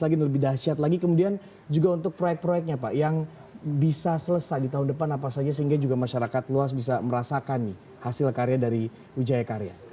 lagi lebih dahsyat lagi kemudian juga untuk proyek proyeknya pak yang bisa selesai di tahun depan apa saja sehingga juga masyarakat luas bisa merasakan nih hasil karya dari wijaya karya